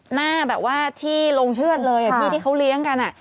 หน้าแบบว่าที่ลงเชื่อดเลยที่ที่เขาเลี้ยงกัน